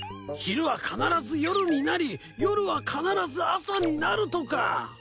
昼は必ず夜になり夜は必ず朝になるとか。